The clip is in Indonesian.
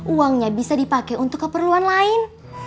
uangnya bisa dipakai untuk keperluan lain